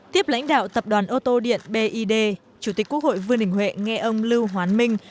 tiếp lãnh đạo tập đoàn ô tô điện bid chủ tịch quốc hội vương đình huệ nghe ông lưu hoán minh